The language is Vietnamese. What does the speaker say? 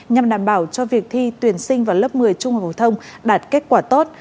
nhằm đảm bảo cho việc thi tuyển sinh vào lớp một mươi trung học phổ thông đạt kết quả tốt